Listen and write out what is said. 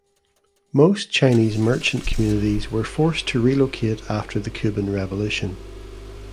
Most Chinese merchant communities were forced to relocate after the Cuban Revolution.